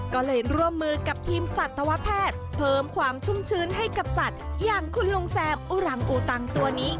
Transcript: ก็เลยร่วมมือกับทีมสัตวแพทย์เพิ่มความชุ่มชื้นให้กับสัตว์อย่างคุณลุงแซมอุรังอุตังตัวนี้